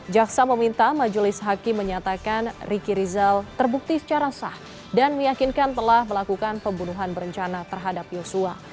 jaksa meminta majelis hakim menyatakan riki rizal terbukti secara sah dan meyakinkan telah melakukan pembunuhan berencana terhadap yosua